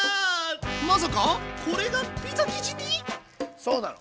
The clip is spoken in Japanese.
まさかこれがピザ生地に⁉そうなの。